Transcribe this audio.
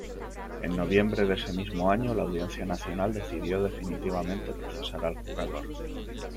En noviembre de ese mismo año, la Audiencia Nacional decidió definitivamente procesar al jugador.